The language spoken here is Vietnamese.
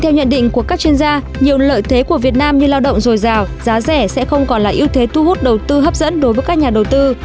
theo nhận định của các chuyên gia nhiều lợi thế của việt nam như lao động dồi dào giá rẻ sẽ không còn là ưu thế thu hút đầu tư hấp dẫn đối với các nhà đầu tư